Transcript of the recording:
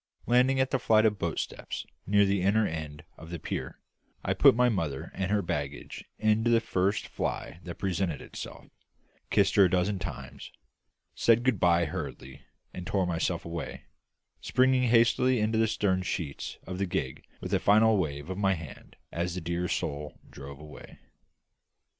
Landing at the flight of boat steps near the inner end of the pier, I put my mother and her baggage into the first fly that presented itself; kissed her a dozen times; said good bye hurriedly, and tore myself away; springing hastily into the stern sheets of the gig with a final wave of the hand as the dear soul drove away.